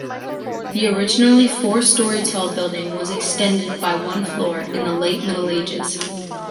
The originally four-story tall building was extended by one floor in the Late Middle Ages.